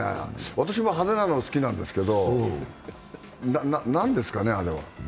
私も派手なの好きなんですけど、何ですかね、あれは。